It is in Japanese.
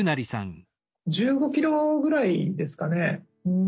１５ｋｍぐらいですかね。